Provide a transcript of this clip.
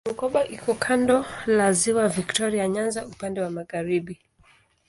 Bukoba iko kando la Ziwa Viktoria Nyanza upande wa magharibi.